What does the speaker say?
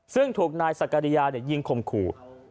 ซึ่งถูกนายสักกริยายิงคมขู่